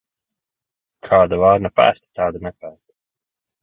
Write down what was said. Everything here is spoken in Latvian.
Kāda vārna pērta, tāda nepērta.